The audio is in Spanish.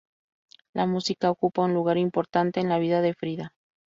La música ocupa un lugar importante en la vida de "Frida".